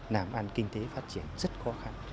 làm ăn kinh tế phát triển rất khó khăn